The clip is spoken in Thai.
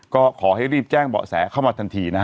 ก็ขอให้รีบแจ้งเบาะแสเข้ามาทันทีนะฮะ